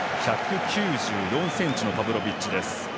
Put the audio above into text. １９４ｃｍのパブロビッチです。